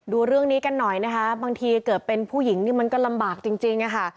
ดูเรื่องนี้กันหน่อยนะคะบางทีเกิดเป็นผู้หญิงนี่มันก็ลำบากจริงอะค่ะ